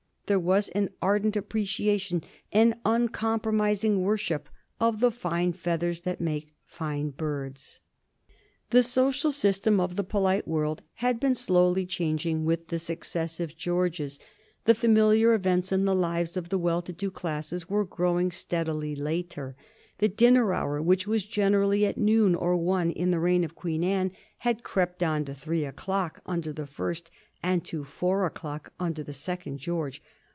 There was an ardent appreciation, an uncompromising worship of the fine feathers that make fine birds. [Sidenote: 1761 The wine drinking propensities of the age] The social system of the polite world had been slowly changing with the successive Georges. The familiar events in the lives of the well to do classes were growing steadily later. The dinner hour, which was generally at noon or one in the reign of Queen Anne, had crept on to three o'clock under the first, and to four o'clock under the second George.